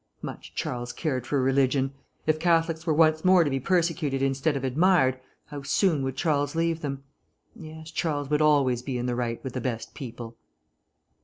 Much Charles cared for religion! If Catholics were once more to be persecuted instead of admired, how soon would Charles leave them! Yes, Charles would always be in the right with the best people....